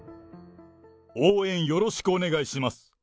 応援よろしくお願いします。